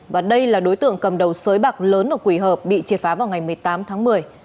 và đây là đối tượng cầm đầu sới bạc lớn ở quỷ hợp bị triệt phá vào ngày một mươi tám tháng một mươi